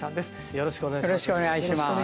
よろしくお願いします。